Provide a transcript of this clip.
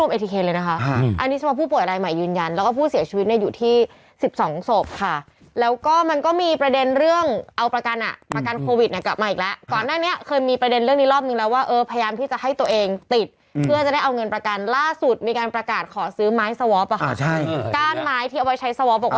ก็ต้องไปว่ายเสียงที่หนึ่งเนี้ยก็ต้องรอบนนั้นเนี้ย